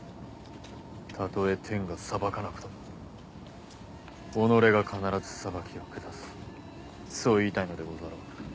たとえ天が裁かなくとも己が必ず裁きを下すそう言いたいのでござろう。